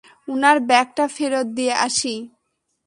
উনার ব্যাগটা ফেরত দিয়ে আসি।